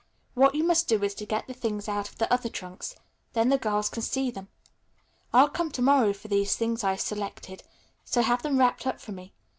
What you must do is to get the things out of the other trunks. Then the girls can see them. I'll come to morrow for these things I've selected; so have them wrapped up for me.